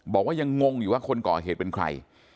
บอกว่ายังงงอยู่ว่าคนก่อเหตุเป็นใคร